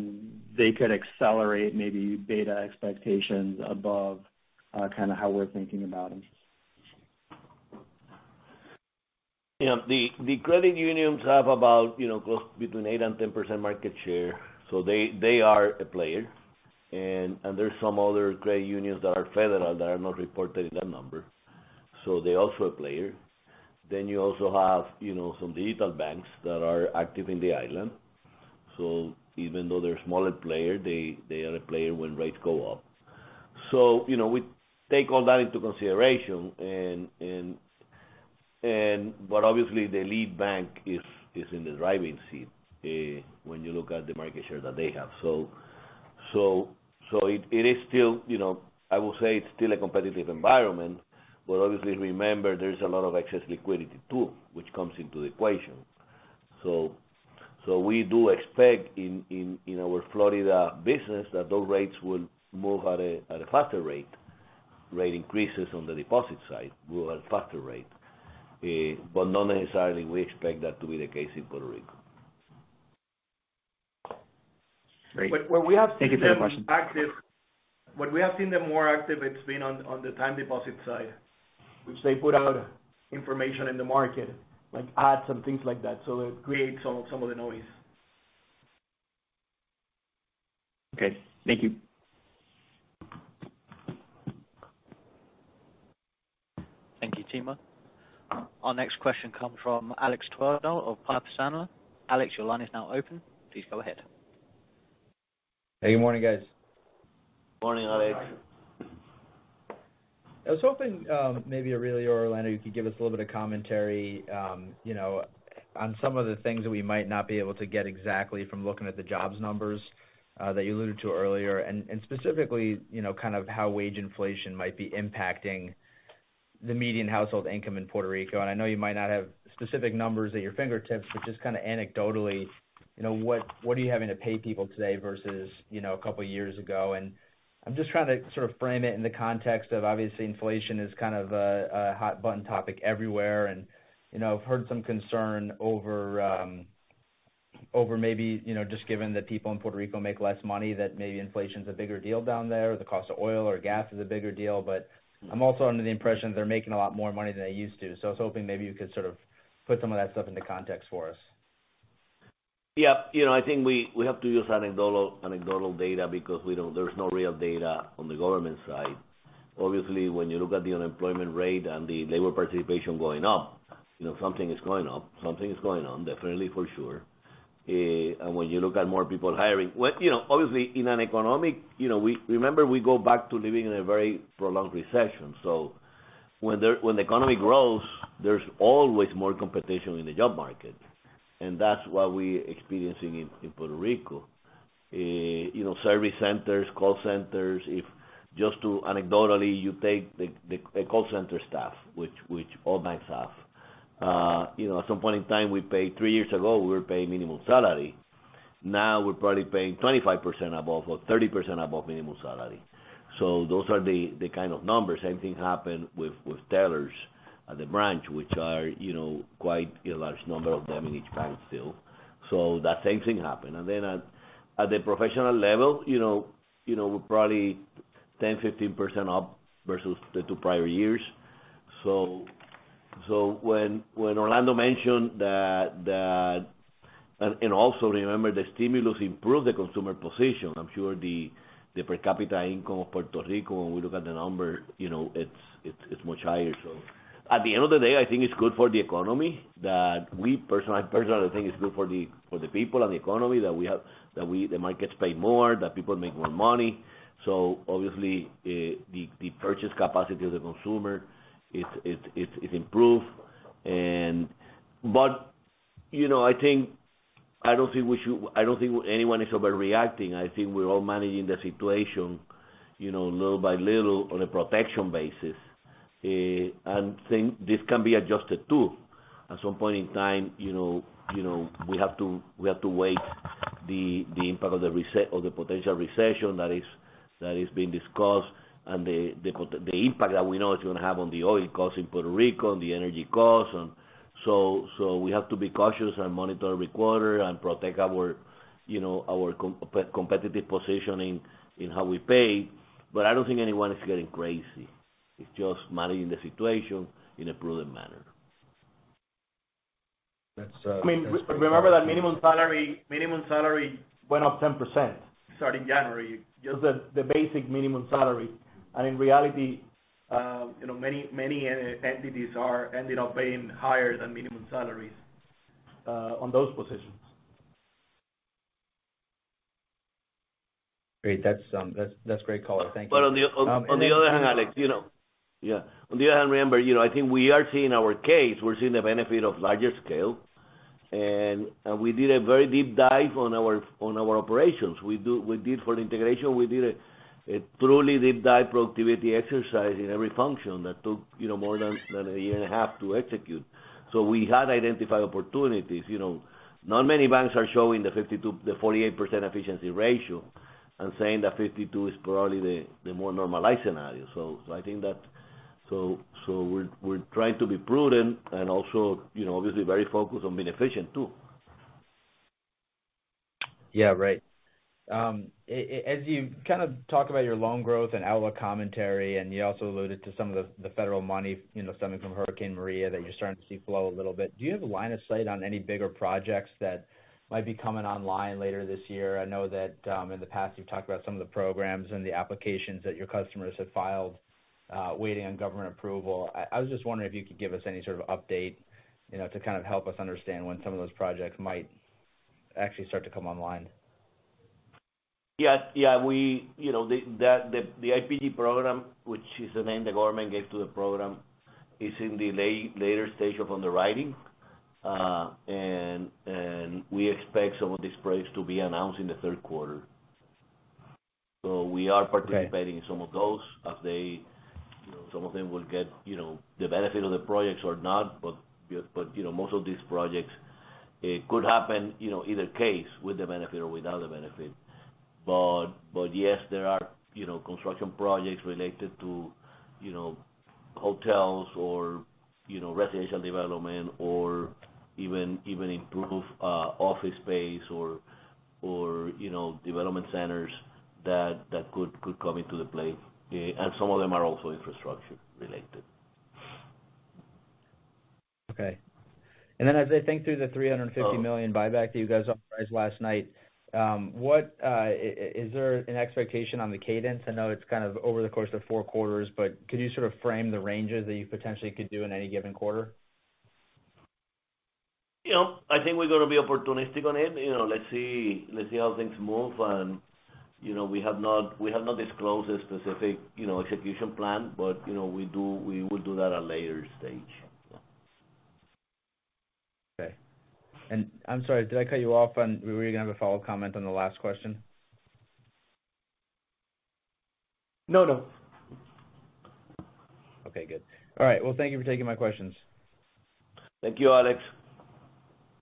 they could accelerate maybe beta expectations above kind of how we're thinking about them? You know, the credit unions have about, you know, close between 8%-10% market share, so they are a player. There's some other credit unions that are federal that are not reported in that number, so they're also a player. You also have, you know, some digital banks that are active in the island. Even though they're a smaller player, they are a player when rates go up. You know, we take all that into consideration, but obviously the lead bank is in the driving seat when you look at the market share that they have. It is still, you know, I will say it's still a competitive environment. Obviously remember there is a lot of excess liquidity too, which comes into the equation. We do expect in our Florida business that those rates will move at a faster rate. Rate increases on the deposit side will have faster rate, but not necessarily we expect that to be the case in Puerto Rico. Great. Thank you for the question. When we have seen them more active, it's been on the time deposit side, which they put out information in the market, like ads and things like that, so it creates some of the noise. Okay. Thank you. Thank you, Timur. Our next question comes from Alex Twerdahl of Piper Sandler. Alex, your line is now open. Please go ahead. Hey, good morning, guys. Morning, Alex. I was hoping, maybe Aurelio or Orlando, you could give us a little bit of commentary, you know, on some of the things that we might not be able to get exactly from looking at the jobs numbers, that you alluded to earlier. Specifically, you know, kind of how wage inflation might be impacting the median household income in Puerto Rico. I know you might not have specific numbers at your fingertips, but just kind of anecdotally, you know, what are you having to pay people today versus, you know, a couple of years ago? I'm just trying to sort of frame it in the context of obviously inflation is kind of a hot button topic everywhere. You know, I've heard some concern over maybe, you know, just given that people in Puerto Rico make less money, that maybe inflation is a bigger deal down there, or the cost of oil or gas is a bigger deal. But I'm also under the impression they're making a lot more money than they used to. So I was hoping maybe you could sort of put some of that stuff into context for us. Yeah. You know, I think we have to use anecdotal data because there's no real data on the government side. Obviously, when you look at the unemployment rate and the labor participation going up, you know something is going up, something is going on, definitely for sure. When you look at more people hiring. Well, you know, obviously, remember we go back to living in a very prolonged recession. When the economy grows, there's always more competition in the job market, and that's what we're experiencing in Puerto Rico. You know, service centers, call centers, just to anecdotally, you take a call center staff, which all banks have. You know, at some point in time, we paid, three years ago, we were paying minimum salary. Now we're probably paying 25% above or 30% above minimum salary. Those are the kind of numbers. Same thing happened with tellers at the branch, which are, you know, quite a large number of them in each bank still. That same thing happened. At the professional level, you know, we're probably 10, 15% up versus the two prior years. When Orlando mentioned that. Also remember, the stimulus improved the consumer position. I'm sure the per capita income of Puerto Rico, when we look at the number, you know, it's much higher. At the end of the day, I think it's good for the economy that we personally think it's good for the people and the economy, that they might get paid more, that people make more money. Obviously, the purchase capacity of the consumer is improved. You know, I don't think anyone is overreacting. I think we're all managing the situation, you know, little by little on a protection basis. Think this can be adjusted, too. At some point in time, you know, we have to wait the impact of the potential recession that is being discussed and the impact that we know it's gonna have on the oil costs in Puerto Rico and the energy costs. We have to be cautious and monitor every quarter and protect our, you know, our competitive positioning in how we pay. I don't think anyone is getting crazy. It's just managing the situation in a prudent manner. That's. I mean, remember that minimum salary went up 10% starting January, just the basic minimum salary. In reality, you know, many entities are ending up paying higher than minimum salaries on those positions. Great. That's great color. Thank you. But on the- Um, and then- On the other hand, Alex, remember, you know, I think we are seeing in our case, we're seeing the benefit of larger scale. We did a very deep dive on our operations. We did for the integration a truly deep dive productivity exercise in every function that took, you know, more than a year and a half to execute. We had identified opportunities. You know, not many banks are showing the 52, the 48% efficiency ratio and saying that 52 is probably the more normalized scenario. I think that we're trying to be prudent and also, you know, obviously very focused on being efficient too. Yeah. Right. As you kind of talk about your loan growth and outlook commentary, and you also alluded to some of the federal money, you know, stemming from Hurricane Maria that you're starting to see flow a little bit, do you have a line of sight on any bigger projects that might be coming online later this year? I know that, in the past you've talked about some of the programs and the applications that your customers have filed, waiting on government approval. I was just wondering if you could give us any sort of update, you know, to kind of help us understand when some of those projects might actually start to come online. Yeah. We, you know, the IPED program, which is the name the government gave to the program, is in the later stage of underwriting. We expect some of these projects to be announced in the third quarter. We are participating- Okay. In some of those as they, you know, some of them will get, you know, the benefit of the projects or not. You know, most of these projects, it could happen, you know, either case with the benefit or without the benefit. Yes, there are, you know, construction projects related to, you know, hotels or, you know, residential development or even improved office space or, you know, development centers that could come into play. Some of them are also infrastructure related. Okay. As I think through the $350 million buyback that you guys authorized last night, is there an expectation on the cadence? I know it's kind of over the course of four quarters, but could you sort of frame the ranges that you potentially could do in any given quarter? You know, I think we're gonna be opportunistic on it. You know, let's see how things move. You know, we have not disclosed a specific, you know, execution plan, but, you know, we will do that at a later stage. Okay. I'm sorry, did I cut you off? Were you gonna have a follow comment on the last question? No, no. Okay, good. All right. Well, thank you for taking my questions. Thank you, Alex Twerdahl.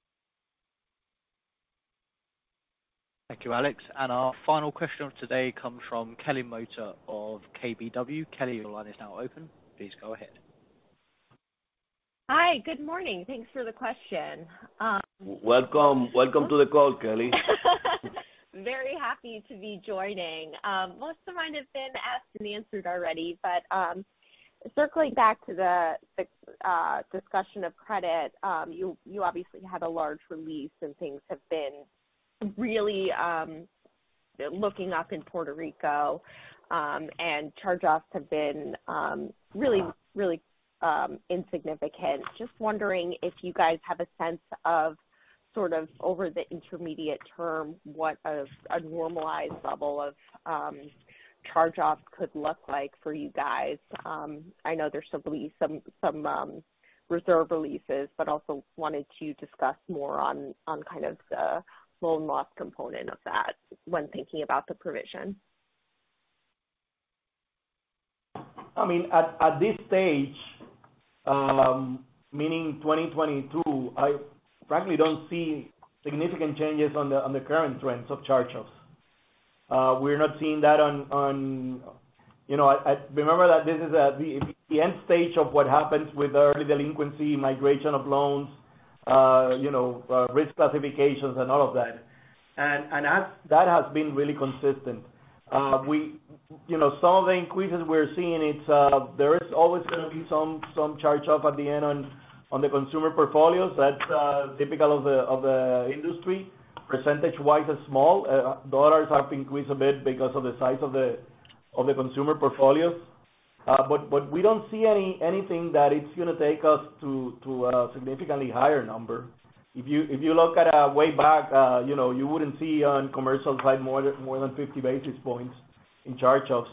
Thank you, Alex. Our final question of today comes from Kelly Motta of KBW. Kelly, your line is now open. Please go ahead. Hi, good morning. Thanks for the question. Welcome to the call, Kelly. Very happy to be joining. Most of mine have been asked and answered already, circling back to the discussion of credit, you obviously had a large release and things have been really looking up in Puerto Rico, and charge-offs have been really insignificant. Just wondering if you guys have a sense of, sort of over the intermediate term, what a normalized level of charge-off could look like for you guys. I know there's some release, some reserve releases, but also wanted to discuss more on kind of the loan loss component of that when thinking about the provision. I mean, at this stage, meaning 2022, I frankly don't see significant changes on the current trends of charge-offs. We're not seeing that. You know, remember that this is at the end stage of what happens with early delinquency, migration of loans, you know, risk classifications and all of that. That has been really consistent. You know, some of the increases we're seeing, it's there is always gonna be some charge-off at the end on the consumer portfolios. That's typical of the industry. Percentage-wise, it's small. Dollars have increased a bit because of the size of the consumer portfolio. But we don't see anything that it's gonna take us to a significantly higher number. If you look at way back, you know, you wouldn't see on commercial side more than 50 basis points in charge-offs.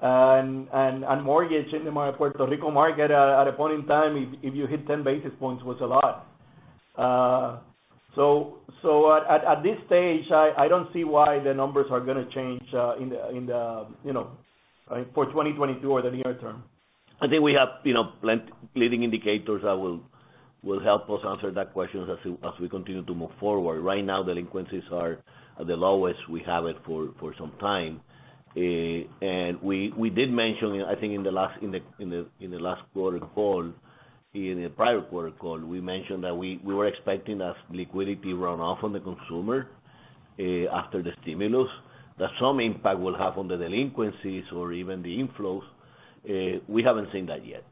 Mortgage in the Puerto Rico market, at a point in time, if you hit 10 basis points was a lot. At this stage, I don't see why the numbers are gonna change, you know, for 2022 or the near term. I think we have, you know, leading indicators that will help us answer that question as we continue to move forward. Right now, delinquencies are at the lowest we have it for some time. We did mention, I think in the prior quarter call, we mentioned that we were expecting a liquidity run-off on the consumer after the stimulus, that some impact will have on the delinquencies or even the inflows. We haven't seen that yet,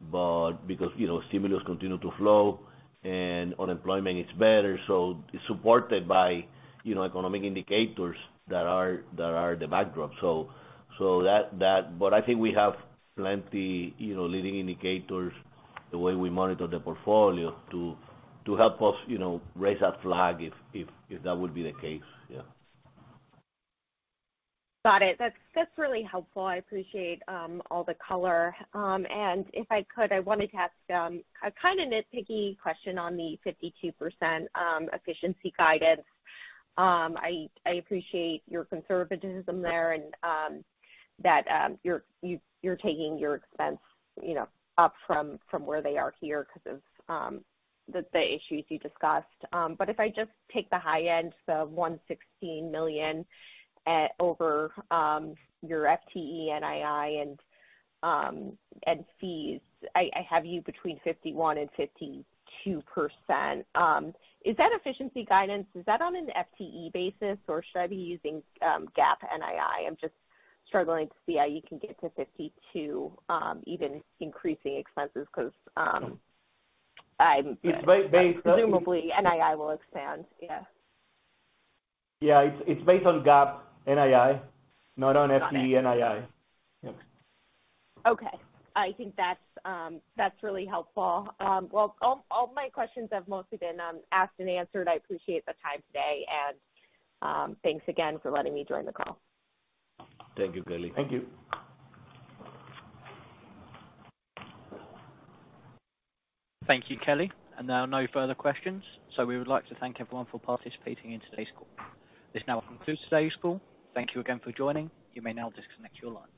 but because, you know, stimulus continue to flow and unemployment is better, so it's supported by, you know, economic indicators that are the backdrop. So that. I think we have plenty, you know, leading indicators the way we monitor the portfolio to help us, you know, raise that flag if that would be the case. Yeah. Got it. That's really helpful. I appreciate all the color. If I could, I wanted to ask a kind of nitpicky question on the 52% efficiency guidance. I appreciate your conservatism there and that you're taking your expense, you know, up from where they are here 'cause of the issues you discussed. If I just take the high end, so $116 million over your FTE NII and fees, I have you between 51% and 52%. Is that efficiency guidance on an FTE basis, or should I be using GAAP NII? I'm just struggling to see how you can get to 52% even increasing expenses 'cause I'm It's based on. Presumably NII will expand. Yeah. Yeah. It's based on GAAP NII, not on. Got it. FTE NII. Yeah. Okay. I think that's really helpful. Well, all my questions have mostly been asked and answered. I appreciate the time today, and thanks again for letting me join the call. Thank you, Kelly. Thank you. Thank you, Kelly. There are no further questions. We would like to thank everyone for participating in today's call. This now concludes today's call. Thank you again for joining. You may now disconnect your line.